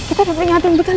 itu adiknya reina